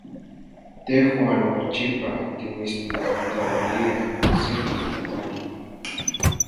Tejuan nochipa timitstlajtlaniliaj seki tamali.